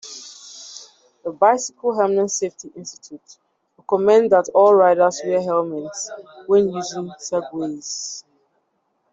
The Bicycle Helmet Safety Institute recommends that all riders wear helmets when using Segways.